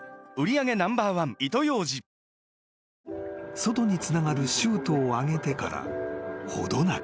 ［外につながるシュートを上げてから程なく］